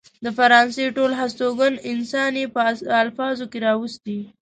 د فرانسې ټول هستوګن انسان يې په الفاظو کې راوستي.